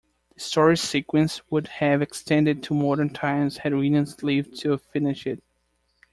The story-sequence would have extended to modern times had Williams lived to finish it.